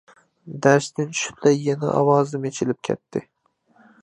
دەرستىن چۈشۈپلا يەنە ئاۋازىم ئېچىلىپ كەتتى.